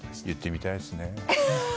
言ってみたいですね。